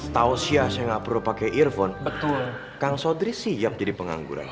tahu siap saya nggak perlu pakai earphone kang sodri siap jadi pengangguran